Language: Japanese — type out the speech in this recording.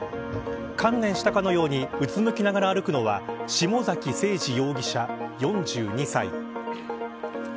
観念したかのようにうつむきながら歩くのは下崎星児容疑者、４２歳。